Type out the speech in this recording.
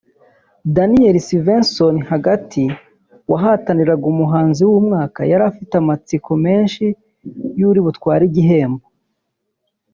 Daniel Svensson(hagati) wahataniraga umuhanzi w'umwaka yari afite amatsiko menshi y'uri butware igihembo